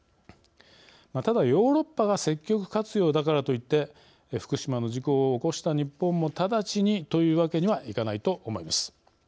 ただ、ヨーロッパが積極活用だからといって福島の事故を起こした日本も直ちにというわけにはいかないと思います。